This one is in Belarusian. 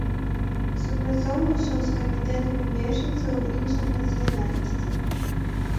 Супрацоўнічаў з камітэтамі бежанцаў іншых нацыянальнасцей.